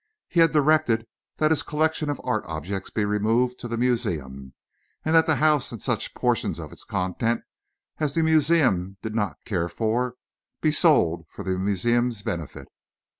He had directed that his collection of art objects be removed to the museum, and that the house and such portion of its contents as the museum did not care for be sold for the museum's benefit.